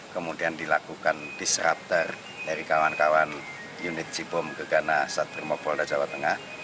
kemudian dilakukan disruptor dari kawan kawan unit cibom gegana satrimopolda jawa tengah